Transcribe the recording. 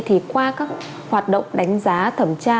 thì qua các hoạt động đánh giá thẩm tra